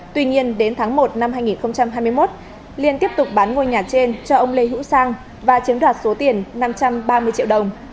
tuy nhiên đến tháng một năm hai nghìn hai mươi một liên tiếp tục bán ngôi nhà trên cho ông lê hữu sang và chiếm đoạt số tiền năm trăm ba mươi triệu đồng